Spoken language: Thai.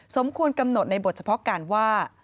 สมควรกำหนดในบทเฉพาะการว่า